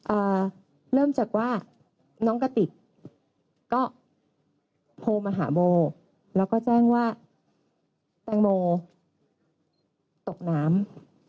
เอ่อเริ่มจากว่าน้องกระติกก็โทรมาหาโมแล้วก็แจ้งว่าแตงโมตกน้ำ